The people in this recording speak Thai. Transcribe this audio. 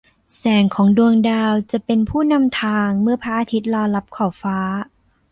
แสงของดวงดาวจะเป็นผู้นำทางเมื่อพระอาทิตย์ลาลับขอบฟ้า